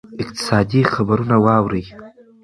اقتصادي خبرونه واورئ.